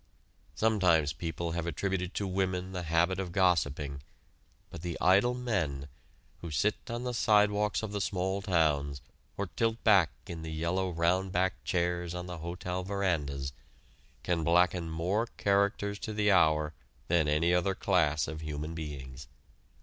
Sometimes people have attributed to women the habit of gossiping, but the idle men, who sit on the sidewalks of the small towns or tilt back in the yellow round back chairs on the hotel verandas, can blacken more characters to the hour than any other class of human beings.